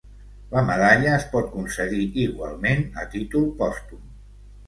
La medalla es pot concedir igualment a títol pòstum.